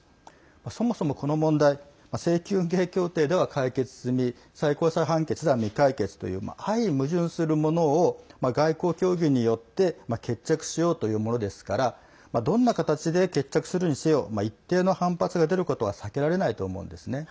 そもそも、この問題請求権協定では解決済み最高裁判決では未解決という相矛盾するものを外交協議によって決着しようというものですからどんな形で決着するにせよ一定の反発が出ることは避けられないと思うんですね。